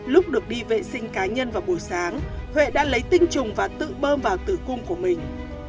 lúc được đi vệ sinh cá nhân vào buổi sáng huệ đã lấy tinh trùng và tự bơm vào tử cung của mình